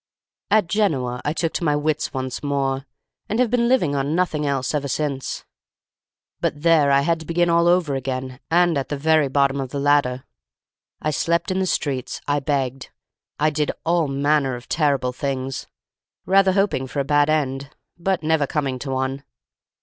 "At Genoa I took to my wits once more, and have been living on nothing else ever since. But there I had to begin all over again, and at the very bottom of the ladder. I slept in the streets. I begged. I did all manner of terrible things, rather hoping for a bad end, but never coming to one.